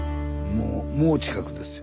もうもう近くですよ。